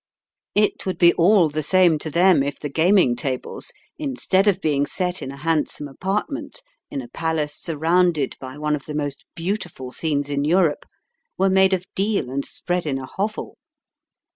It would be all the same to them if the gaming tables, instead of being set in a handsome apartment in a palace surrounded by one of the most beautiful scenes in Europe, were made of deal and spread in a hovel.